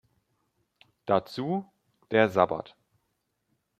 Dazu: „Der Sabbat.